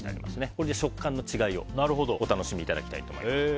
これで食感の違いをお楽しみいただきたいと思います。